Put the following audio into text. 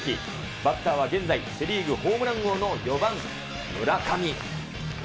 バッターは現在、セ・リーグホームラン王の４番村上。